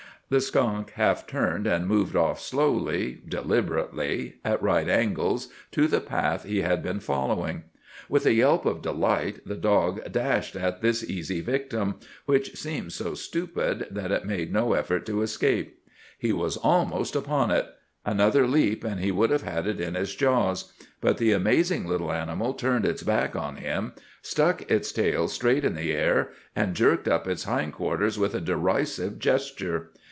The skunk half turned and moved off slowly, deliberately, at right angles to the path he had been following. With a yelp of delight the dog dashed at this easy victim, which seemed so stupid that it made no effort to escape. He was almost upon it. Another leap and he would have had it in his jaws. But the amazing little animal turned its back on him, stuck its tail straight in the air, and jerked up its hindquarters with a derisive gesture.